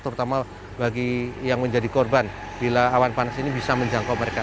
terutama bagi yang menjadi korban bila awan panas ini bisa menjangkau mereka